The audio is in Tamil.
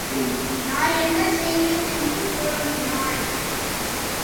நான் என்ன செய்வேன்? என்று புலம்பினாள்.